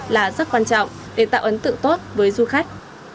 là rất quan trọng để tạo ấn tượng tốt với du khách